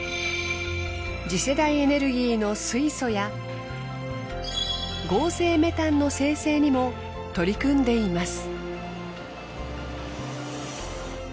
次世代エネルギーの水素や合成メタンの生成にも取り組んでいます。